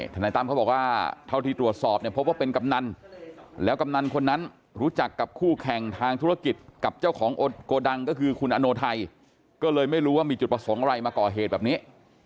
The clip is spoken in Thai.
นายตั้มเขาบอกว่าเท่าที่ตรวจสอบเนี่ยพบว่าเป็นกำนันแล้วกำนันคนนั้นรู้จักกับคู่แข่งทางธุรกิจกับเจ้าของโกดังก็คือคุณอโนไทยก็เลยไม่รู้ว่ามีจุดประสงค์อะไรมาก่อเหตุแบบนี้